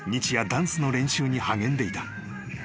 ダンスの練習に励んでいた］